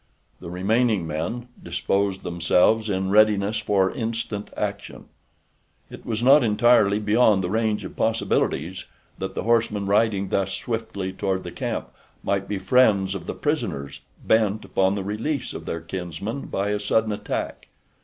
The remaining men disposed themselves in readiness for instant action. It was not entirely beyond the range of possibilities that the horsemen riding thus swiftly toward the camp might be friends of the prisoners bent upon the release of their kinsmen by a sudden attack.